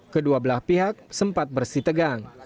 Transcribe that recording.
kedua belah pihak sempat bersitegang